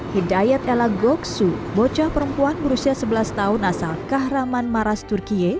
hidayat ella goksu bocah perempuan berusia sebelas tahun asal kahraman maras turkiye